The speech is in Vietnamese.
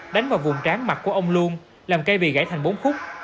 đánh vào vùng tráng mặt của ông luân làm cây bị gãy thành bốn khúc